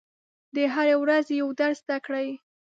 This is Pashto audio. د هرې ورځې یو درس زده کړئ.